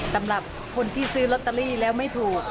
สำหรับคนที่ซื้อลอตเตอรี่แล้วไม่ถูก